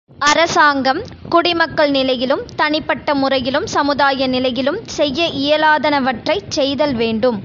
அரசாங்கம் குடிமக்கள் நிலையிலும், தனிப்பட்ட முறையிலும், சமுதாய நிலையிலும் செய்ய இயலாதனவற்றைச் செய்தல் வேண்டும்.